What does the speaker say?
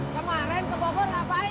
kemaren ke bogor ngapain